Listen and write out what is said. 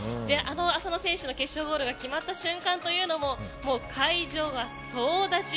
浅野選手の決勝ゴールが決まった瞬間というのも会場が総立ち。